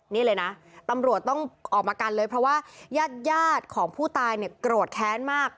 นี่เลยนะตำรวจต้องออกมากันเลยเพราะว่าญาติของผู้ตายเนี่ยโกรธแค้นมาก